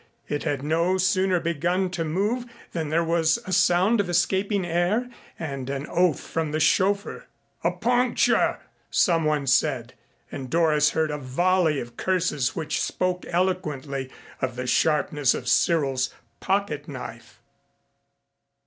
It had no sooner begun to move than there was a sound of escaping air and an oath from the chauffeur. "A puncture," someone said. And Doris heard a volley of curses which spoke eloquently of the sharpness of Cyril's pocket knife.